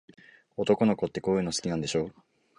男の子って、こういうの好きなんでしょ。